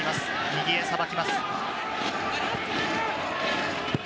右へさばきます。